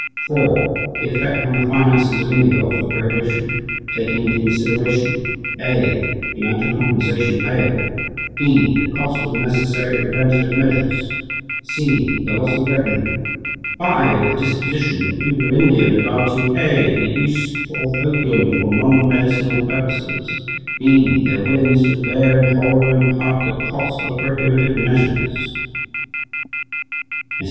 (4) The effect on the finances of India of the prohibition ... taking into consideration (a) the amount of compensation payable; (b) the cost of the necessary preventive measures; (c) the loss of revenue.... (5) The disposition of the people of India in regard to (a) the use of opium for non medical purposes; (b) their willingness to bear in whole or in part the cost of prohibitive measures." Mr.